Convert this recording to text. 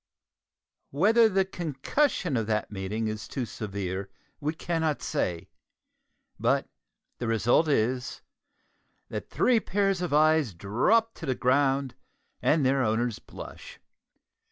Whether the concussion of that meeting is too severe, we cannot say, but the result is, that the three pair of eyes drop to the ground, and their owners blush.